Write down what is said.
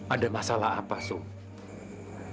ada masalah apa sumi